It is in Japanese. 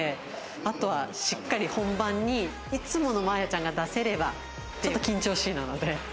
あとはしっかり本番にいつもの真彩ちゃんが出せればちょっと緊張しいなので。